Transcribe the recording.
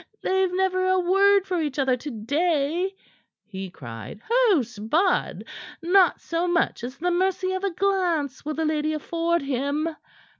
"They've never a word for each other to day!" he cried. "Oh, 'Sbud! not so much as the mercy of a glance will the lady afford him."